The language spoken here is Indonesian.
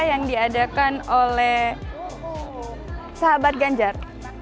yang diadakan oleh sahabat ganjar